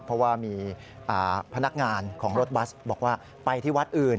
เพราะว่ามีพนักงานของรถบัสบอกว่าไปที่วัดอื่น